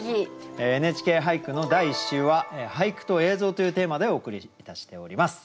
「ＮＨＫ俳句」の第１週は「俳句と映像」というテーマでお送りいたしております。